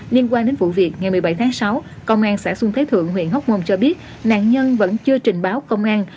liên quan đến vụ việc ngày một mươi bảy tháng sáu công an xã xuân thế thượng huyện hóc môn cho biết nạn nhân vẫn chưa trình báo công an